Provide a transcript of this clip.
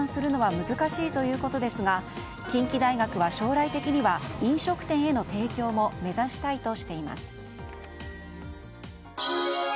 現在の技術では大量生産するのは難しいということですが近畿大学は将来的には飲食店への提供も目指したいとしています。